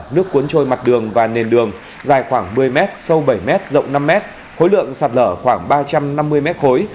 nước cuốn trôi mặt đường và nền đường dài khoảng một mươi m sâu bảy m rộng năm mét khối lượng sạt lở khoảng ba trăm năm mươi mét khối